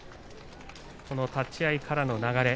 立ち合いからの流れ。